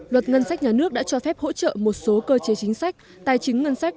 luật ngân sách nhà nước đã cho phép hỗ trợ một số cơ chế chính sách tài chính ngân sách